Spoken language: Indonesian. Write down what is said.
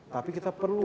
tapi kita perlu